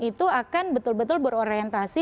itu akan betul betul berorientasi